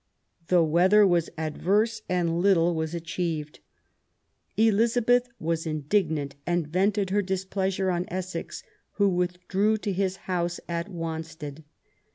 The weather was adverse, and little was achieved. Elizabeth was indignant, and vented her displeasure on Essex, who withdrew to his house at Wanstead.